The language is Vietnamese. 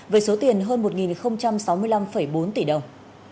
với số tiền hơn một sáu mươi năm bốn tỷ đồng